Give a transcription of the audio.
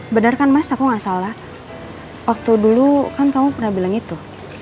benar kan mas aku nggak salah waktu dulu kan kamu pernah bilang itu